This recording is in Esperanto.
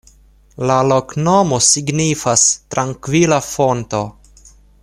La loknomo signifas: "trankvila fonto".